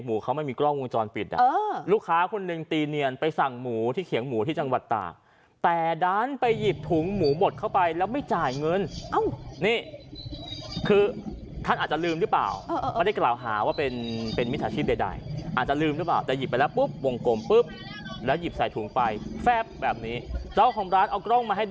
มีอะไรอยากคิดนะว่าเขียงหมูเขาไม่มีกล้องวงจรปิด